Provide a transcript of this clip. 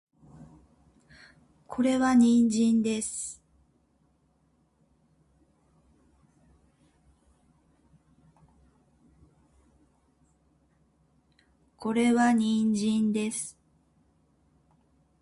これは人参です